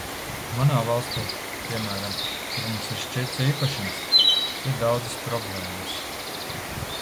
Manā valstī, piemēram, kur mums ir šķirts īpašums, ir daudzas problēmas.